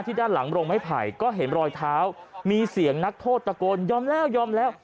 ด้านหลังโรงไม้ไผ่ก็เห็นรอยเท้ามีเสียงนักโทษตะโกนยอมแล้วยอมแล้ว